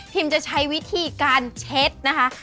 จะใช้วิธีการเช็ดนะคะ